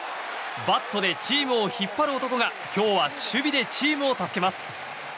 バットでチームを引っ張る男が今日は守備でチームを助けます。